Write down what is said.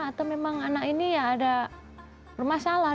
atau memang anak ini ya ada bermasalah